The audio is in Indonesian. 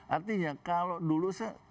artinya kalau dulu saya